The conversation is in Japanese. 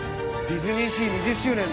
ディズニーシー２０周年。